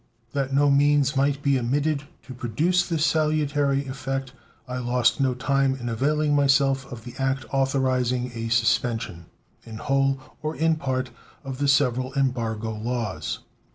That no means might be omitted to produce this salutary effect, I lost no time in availing myself of the act authorizing a suspension, in whole or in part, of the several embargo laws.